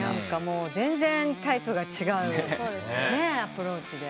全然タイプが違うアプローチで。